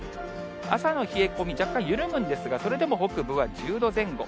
朝の冷え込み、若干緩むんですが、それでも北部は１０度前後。